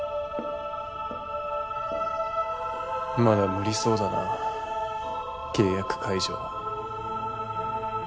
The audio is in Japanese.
まだ無理そうだな契約解除は。